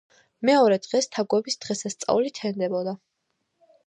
მეორე დღეს თაგვების დღესასწაული თენდებოდა